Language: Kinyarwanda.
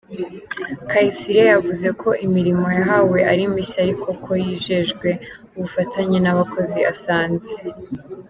Kayisire yavuze ko imirimo yahawe ari mishya ariko ko yijejwe ubufatanye n’abakozi asanze.